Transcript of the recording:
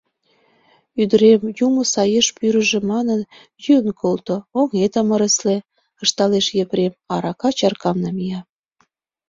— Ӱдырем, юмо саеш пӱрыжӧ манын, йӱын колто, оҥетым ыресле, — ышталеш Епрем, арака чаркам намия.